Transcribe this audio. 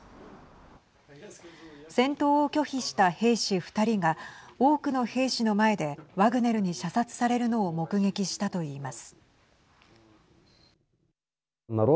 戦闘を拒否した兵士２人が多くの兵士の前でワグネルに射殺されるのを目撃したと言います。